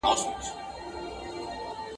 هغه خو اوس د نه راتلو شوه ته به کله راځې